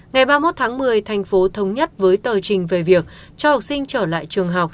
ngày ba mươi một tháng một mươi thành phố thống nhất với tờ trình về việc cho học sinh trở lại trường học